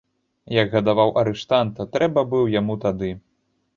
Як гадаваў арыштанта, трэба быў яму тады.